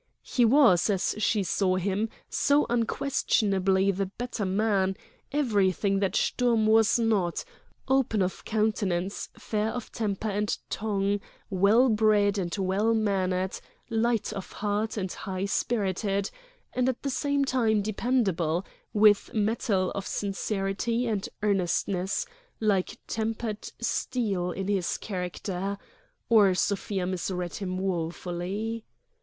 He was, as she saw him, so unquestionably the better man, everything that Sturm was not, open of countenance, fair of temper and tongue, well bred and well mannered, light of heart and high spirited, and at the same time dependable, with metal of sincerity and earnestness like tempered steel in his character—or Sofia misread him woefully.